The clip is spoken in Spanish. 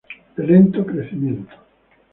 De lento crecimiento.